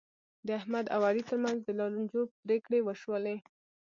د احمد او علي ترمنځ د لانجو پرېکړې وشولې.